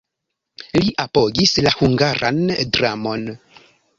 Li apogis la hungaran dramon.